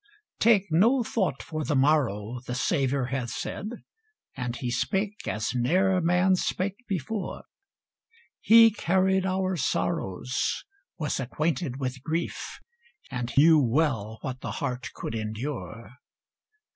Take no thought for the morrow, the Saviour hath said, And he spake as ne'er man spake before; "He carried our sorrows," "was acquainted with grief," And knew well what the heart could endure.